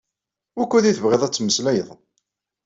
Wukkud i tebɣiḍ ad tmeslayeḍ?